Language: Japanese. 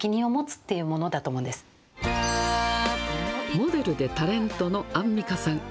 モデルでタレントのアンミカさん。